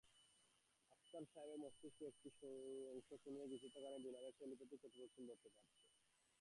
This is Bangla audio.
আফসার সাহেবের মস্তিষ্কের একটি অংশ কোনো এক বিচিত্র কারণে বিড়ালের টেলিপ্যাথিক কথোপকথন ধরতে পারছে।